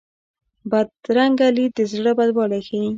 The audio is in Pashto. بدرنګه لید د زړه بدوالی ښيي